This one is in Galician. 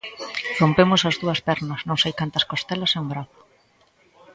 Rompemos as dúas pernas, non sei cantas costelas e un brazo.